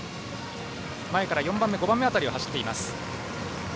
前から４番目、５番目辺りを走っています。